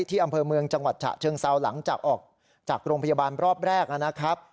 อำเภอเมืองจังหวัดฉะเชิงเซาหลังจากออกจากโรงพยาบาลรอบแรกนะครับ